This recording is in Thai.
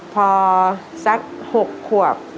พอสัก๖ขวบ